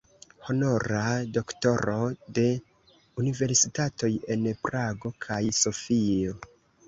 Honora doktoro de universitatoj en Prago kaj Sofio.